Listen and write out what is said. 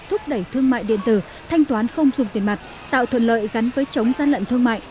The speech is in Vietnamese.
thúc đẩy thương mại điện tử thanh toán không dùng tiền mặt tạo thuận lợi gắn với chống gian lận thương mại